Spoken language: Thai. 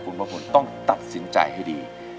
คุณพระพลต้องตัดสินใจให้ดี